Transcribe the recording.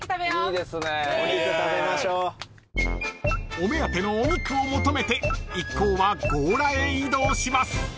［お目当てのお肉を求めて一行は強羅へ移動します］